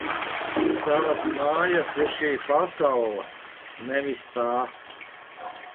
Tavas mājas ir šī pasaule, nevis tā!